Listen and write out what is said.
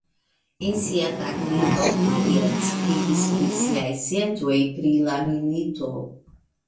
En sia taglibro Harriet skribis pri siaj sentoj pri la milito.